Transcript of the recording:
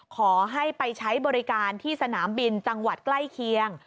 ขอให้ไปใช้บริการที่สนามบินจังหวัดใกล้เคียง